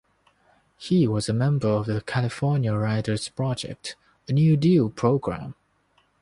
He was a member of the California Writers Project, a New Deal program.